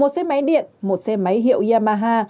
một xe máy điện một xe máy hiệu yamaha